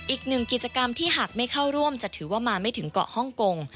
อีกหนึ่งกิจกรรมที่หากไม่เข้าร่วมจะถือว่ามาไม่ถึงเกาะฮ่องกง